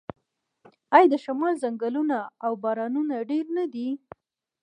آیا د شمال ځنګلونه او بارانونه ډیر نه دي؟